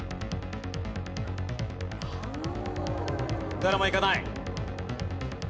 誰もいかない。